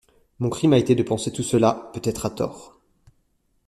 Mon crime a été de penser tout cela, peut-être à tort.